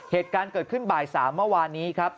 เหตุการณ์เกิดขึ้นบ่าย๓เมื่อวานนี้ครับ